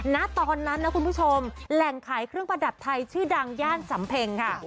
ณตอนนั้นนะคุณผู้ชมแหล่งขายเครื่องประดับไทยชื่อดังย่านสำเพ็งค่ะ